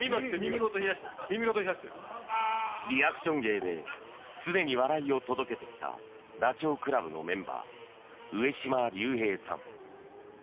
リアクション芸で常に笑いを届けてきたダチョウ倶楽部のメンバー上島竜兵さん。